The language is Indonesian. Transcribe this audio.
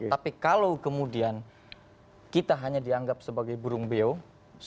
tapi kalau kemudian kita hanya dianggap sebagai burung beo suara kita hanya dilengkapi